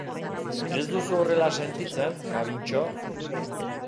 Ez duzu horrela sentitzen, Gabintxo?